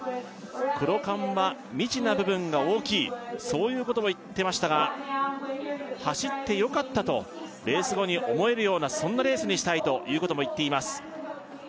クロカンは未知な部分が大きいそういうことも言ってましたが走ってよかったとレース後に思えるようなそんなレースにしたいということも言っています